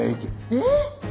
えっ！？